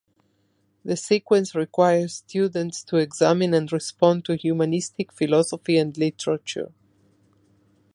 The sequence requires students to examine and respond to humanistic philosophy and literature.